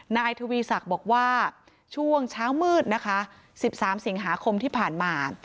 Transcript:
นายทวีศักดิ์บอกว่าช่วงเช้ามืดนะคะ๑๓สิงหาคมที่ผ่านมา